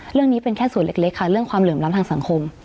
เรื่องนี้เป็นแค่ส่วนเล็กค่ะเรื่องความเหลื่อมล้ำทางสังคม